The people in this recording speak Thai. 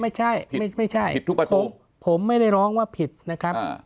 ไม่ใช่ไม่ใช่ผิดทุกประตูผมไม่ได้ร้องว่าผิดนะครับอ่า